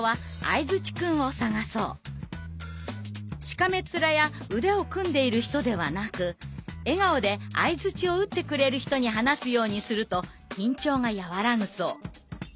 しかめっ面や腕を組んでいる人ではなく笑顔で相づちを打ってくれる人に話すようにすると緊張が和らぐそう。